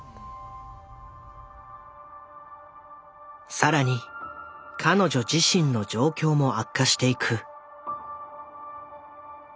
更に彼女自身の状況も悪化していく。